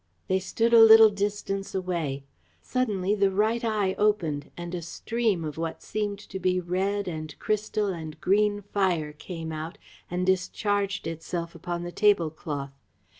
They stood a little distance away. Suddenly the right eye opened and a stream of what seemed to be red and crystal and green fire came out and discharged itself upon the tablecloth.